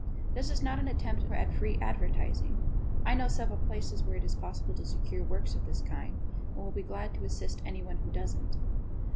(This is not an attempt at free advertising.) I know several places where it is possible to secure works of this kind and will be glad to assist anyone who doesn't.